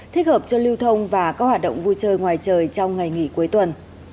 thích hợp cho lưu thông và các hoạt động vui chơi ngoài trời trong ngày nghỉ cuối tuần